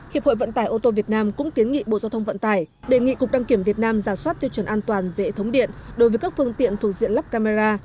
hiệp hội vận tải ô tô việt nam cũng kiến nghị bộ giao thông vận tải đề nghị cục đăng kiểm việt nam giả soát tiêu chuẩn an toàn vệ thống điện đối với các phương tiện thuộc diện lắp camera